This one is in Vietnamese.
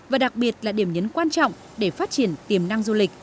và đặc biệt là điểm nhấn quan trọng để phát triển tiềm năng du lịch